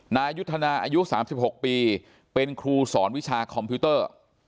นายุทธนาอายุ๓๖ปีเป็นครูสอนวิชาคอมพิวเตอร์